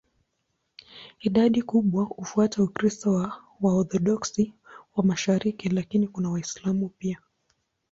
Idadi kubwa hufuata Ukristo wa Waorthodoksi wa mashariki, lakini kuna Waislamu pia.